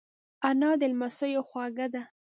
انا د لمسیو خواږه ده